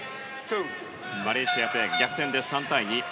マレーシアペア、逆転で３対２。